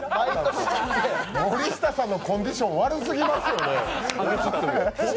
森下さんのコンディション悪すぎる。